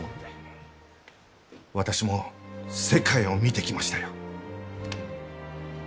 私も世界を見てきましたよ。